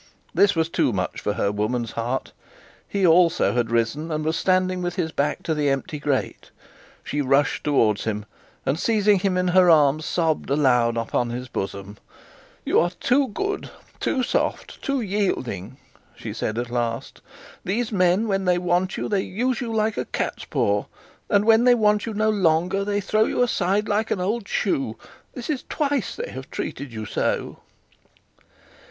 This was too much for her woman's heart. He also had risen, and was standing with his back to the empty grate. She rushed towards him, and seizing him in her arms, sobbed aloud upon his bosom. 'Yes, you are too good, too soft, too yielding,' she said at last. 'These men, when they want you, they use you like a cat's paw; and when they want you no longer, they throw you aside like an old shoe. This is twice they have treated you so.'